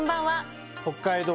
「北海道道」